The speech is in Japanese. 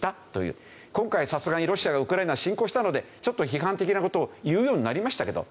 今回はさすがにロシアがウクライナに侵攻したのでちょっと批判的な事を言うようになりましたけど